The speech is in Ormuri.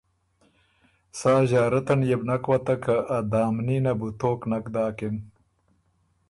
سا ݫارت ان يې بو نک وتک که ا دامني نه بو توک نک داکِن۔